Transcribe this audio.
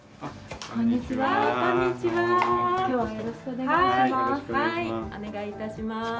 お願いいたします。